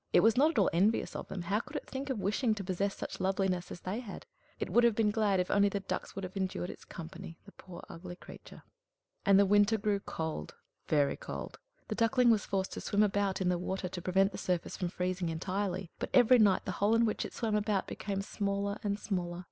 It was not at all envious of them. How could it think of wishing to possess such loveliness as they had? It would have been glad if only the ducks would have endured its company the poor, ugly creature! And the winter grew cold, very cold! The Duckling was forced to swim about in the water, to prevent the surface from freezing entirely; but every night the hole in which it swam about became smaller and smaller.